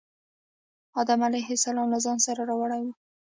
آدم علیه السلام له ځان سره راوړی و.